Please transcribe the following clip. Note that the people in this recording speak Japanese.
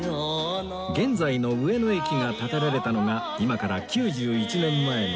現在の上野駅が建てられたのが今から９１年前の昭和７年